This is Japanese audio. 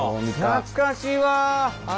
懐かしいわあ。